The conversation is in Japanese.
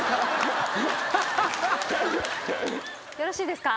よろしいですか？